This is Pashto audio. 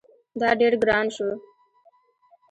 دا ډیر ګران شو